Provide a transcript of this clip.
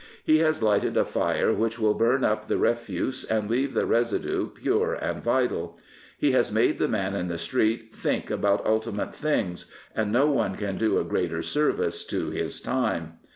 He has lighted a fire which will burn up the refuse and leave the residue pure and vital. He has made the man in the street think about ultimate things, and no one can do a greater service to his time.